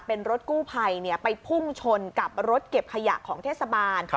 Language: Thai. เป็นรถกู้ภัยไปพุ่งชนกับรถเก็บขยะของเทศบาล